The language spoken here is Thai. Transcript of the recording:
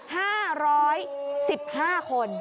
ห้าร้อยสิบห้าคน